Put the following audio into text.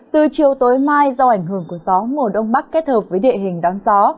từ chiều tối mai do ảnh hưởng của gió mùa đông bắc kết hợp với địa hình đáng gió